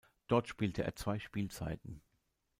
Dort spielte er zwei Spielzeiten.